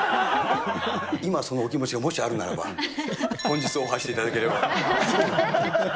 今そのお気持ちがもしあるならば、本日オファーしていただければ。